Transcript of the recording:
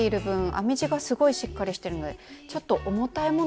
編み地がすごいしっかりしてるのでちょっと重たいもの入れても大丈夫そうですね。